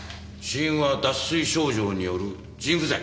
死因は脱水症状による腎不全。